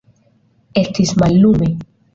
Estis mallume.